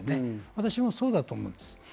私もそうだと思います。